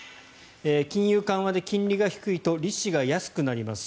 金融緩和で金利が低いと利子が安くなります。